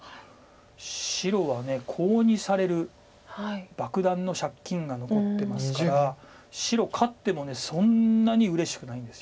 白はコウにされる爆弾の借金が残ってますから白勝ってもそんなにうれしくないんです。